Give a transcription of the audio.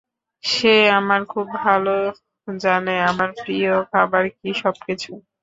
সে আমাকে খুব ভাল জানে, আমার প্রিয় খাবার কী, সবকিছু।